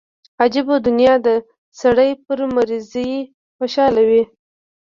عجبه دنيا ده سړى پر مريضۍ خوشاله وي.